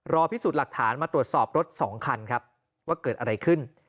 พิสูจน์หลักฐานมาตรวจสอบรถ๒คันครับว่าเกิดอะไรขึ้น